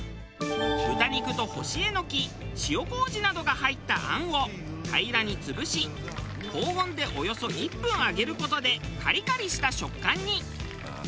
豚肉と干しえのき塩麹などが入った餡を平らに潰し高温でおよそ１分揚げる事でカリカリした食感に。